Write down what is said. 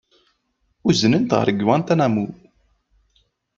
Uznen-t ɣer Guantanamo.